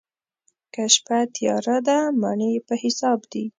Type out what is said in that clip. که شپه تياره ده، مڼې په حساب دي.